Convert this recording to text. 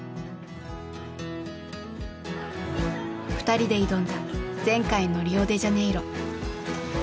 ２人で挑んだ前回のリオデジャネイロ。